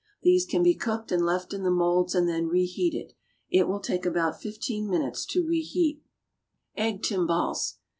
These can be cooked and left in the moulds and then reheated. It will take about fifteen minutes to reheat. =Egg Timbales.